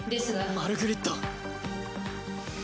マルグリット。